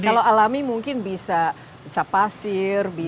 kalau alami mungkin bisa pasir bisa parasit